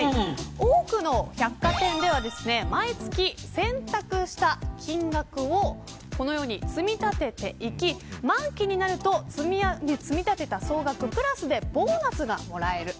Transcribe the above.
多くの百貨店では毎月選択した金額を積み立てていき、満期になると積み立てた総額プラスでボーナスがもらえます。